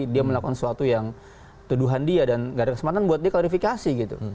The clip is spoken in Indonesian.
dia melakukan sesuatu yang tuduhan dia dan gak ada kesempatan buat dia klarifikasi gitu